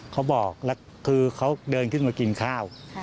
เขาบอกแล้วคือเขาเดินขึ้นมากินข้าว